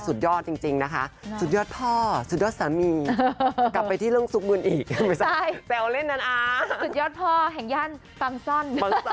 สุดยอดพ่อแห่งย่านปังซ่อน